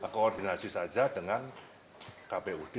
koordinasi saja dengan kpud